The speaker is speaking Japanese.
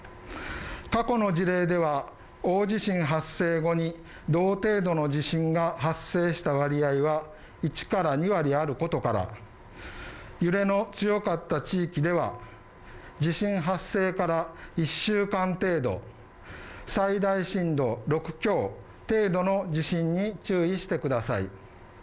過去の事例では、大地震発生後に同程度の地震が発生した割合は１２割あることから、揺れの強かった地域では、地震発生から１週間程度最大震度６強程度の地震に注意してください。